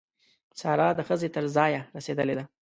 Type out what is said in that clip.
سارا د ښځې تر ځایه رسېدلې ده.